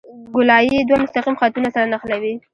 ګولایي دوه مستقیم خطونه سره نښلوي